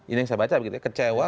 ini yang saya baca kecewa